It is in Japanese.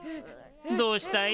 どうしたい？